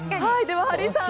ハリーさん